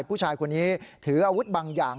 ผู้ชายคนนี้ถืออาวุธบางอย่าง